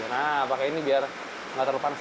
nah pakai ini biar nggak terlalu panas